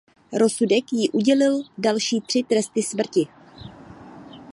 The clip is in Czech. Rozsudek jí udělil další tři tresty smrti.